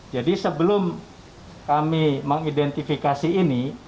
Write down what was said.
jadi sebelum kami mengidentifikasi ini